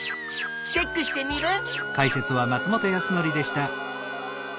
チェックしテミルン！